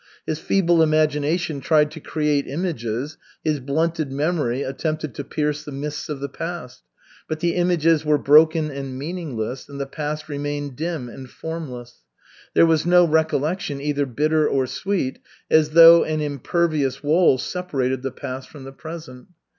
His feeble imagination tried to create images, his blunted memory attempted to pierce the mists of the past. But the images were broken and meaningless, and the past remained dim and formless. There was no recollection, either bitter or sweet, as though an impervious wall separated the past from the present.